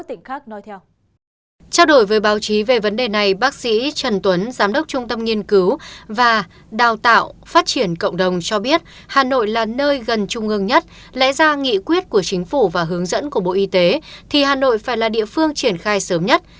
trao đổi với báo chí về vấn đề này bác sĩ trần tuấn giám đốc trung tâm nghiên cứu và đào tạo phát triển cộng đồng cho biết hà nội là nơi gần trung ương nhất lẽ ra nghị quyết của chính phủ và hướng dẫn của bộ y tế thì hà nội phải là địa phương triển khai sớm nhất